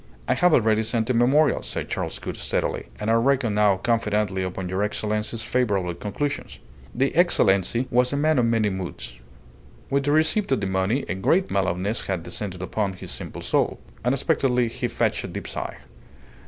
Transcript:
"I have already sent a memorial," said Charles Gould, steadily, "and I reckon now confidently upon your Excellency's favourable conclusions." The Excellency was a man of many moods. With the receipt of the money a great mellowness had descended upon his simple soul. Unexpectedly he fetched a deep sigh.